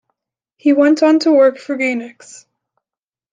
He went on to work for Gainax.